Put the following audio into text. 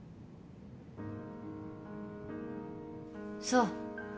そう。